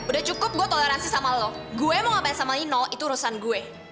udah cukup gue toleransi sama lo gue mau ngapain sama lino itu urusan gue